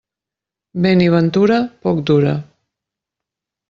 Vent i ventura, poc dura.